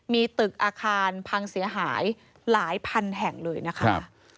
มีตึกอาคารพังเสียหายหลายพันแห่งเลยนะคะ